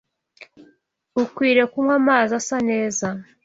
Ukwiye kunywa amazi asa neza